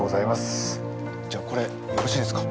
じゃあこれよろしいですか？